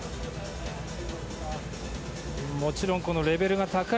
もちろん、レベルが高い